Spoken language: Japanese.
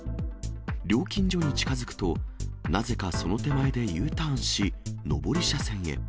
料金所に近づくと、なぜかその手前でＵターンし、上り車線へ。